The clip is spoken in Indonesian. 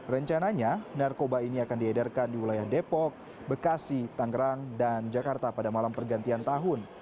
rencananya narkoba ini akan diedarkan di wilayah depok bekasi tangerang dan jakarta pada malam pergantian tahun